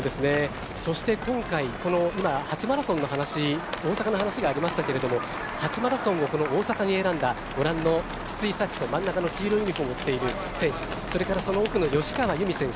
そして今回この今、初マラソンの話大阪の話がありましたけど初マラソンをこの大阪に選んだご覧の筒井咲子、真ん中の黄色いユニホームを着ている選手それからその奥の吉川侑美選手